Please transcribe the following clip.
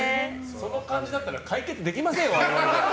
その感じだったら解決できませんよ、我々も。